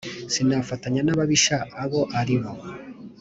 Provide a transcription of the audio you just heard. Sinifatanya n abahisha abo bari bo